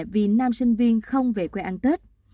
vì nam sinh viên không về quê ăn tết